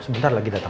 sebentar lagi datang